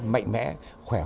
mạnh mẽ khỏe hoạt